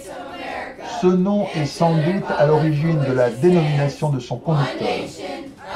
Ce nom est sans doute à l'origine de la dénomination de son conducteur.